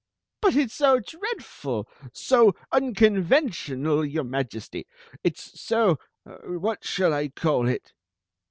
" But it s so dreadM — so unconventional, your Majesty! It s so— what shall I call it?"